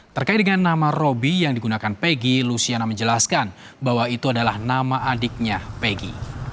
terkait dengan nama roby yang digunakan peggy luciana menjelaskan bahwa itu adalah nama adiknya peggy